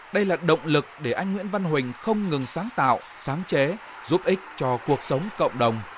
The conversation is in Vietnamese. đây là động lực để anh nguyễn văn huỳnh không ngừng sáng tạo sáng chế giúp ích cho cuộc sống cộng đồng